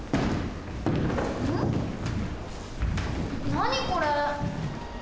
何これ？